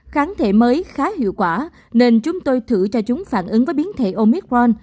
kháng thể mới khá hiệu quả nên chúng tôi thử cho chúng phản ứng với biến thể omicron